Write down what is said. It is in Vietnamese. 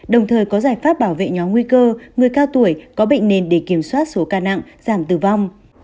đồng thời có giải pháp bảo vệ nhóm nguy cơ người cao tuổi có bệnh nền để kiểm soát số ca nặng giảm tử vong